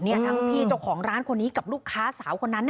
ทั้งพี่เจ้าของร้านคนนี้กับลูกค้าสาวคนนั้น